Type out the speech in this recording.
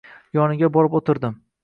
Yoniga borib o`tirdim